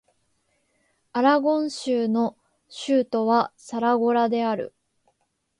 アラゴン州の州都はサラゴサである